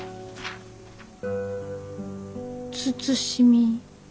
慎み？